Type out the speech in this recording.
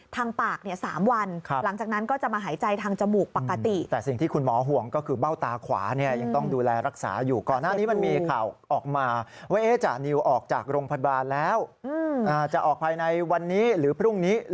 ทางปาก๓วันหลังจากนั้นเขาจะมาหายใจทางจมูกปกติ